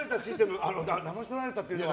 だまし取られたっていうのは。